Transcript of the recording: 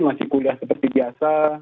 masih kuliah seperti biasa